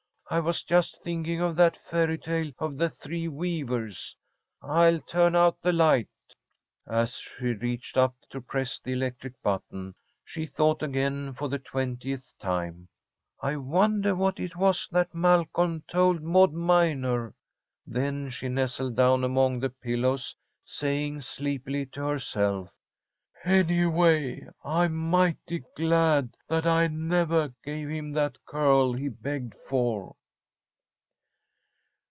"I was just thinking of that fairy tale of the three weavers. I'll turn out the light." As she reached up to press the electric button, she thought again, for the twentieth time, "I wonder what it was that Malcolm told Maud Minor." Then she nestled down among the pillows, saying, sleepily, to herself: "Anyway, I'm mighty glad that I nevah gave him that curl he begged for."